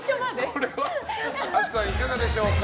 これはＴＡＴＳＵさんいかがでしょうか？